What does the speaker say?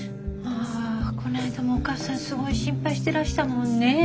あぁこないだもお母さんすごい心配してらしたもんねぇ。